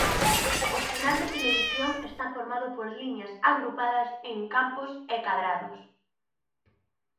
O sinal de televisión está formado por liñas agrupadas en campos e cadrados.